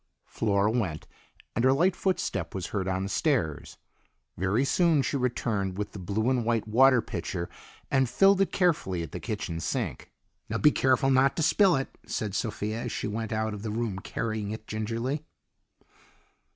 Flora went, and her light footstep was heard on the stairs. Very soon she returned with the blue and white water pitcher and filled it carefully at the kitchen sink. "Now be careful and not spill it," said Sophia as she went out of the room carrying it gingerly.